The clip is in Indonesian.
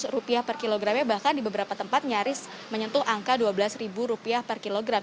rp seratus per kilogramnya bahkan di beberapa tempat nyaris menyentuh angka rp dua belas per kilogram